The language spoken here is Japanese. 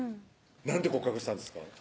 何て告白したんですか？